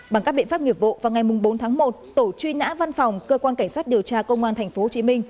bằng các biện pháp nghiệp vụ vào ngày bốn tháng một tổ truy nã văn phòng cơ quan cảnh sát điều tra công an tp hcm